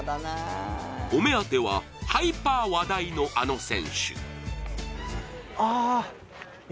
お目当てはハイパー話題のあの選手。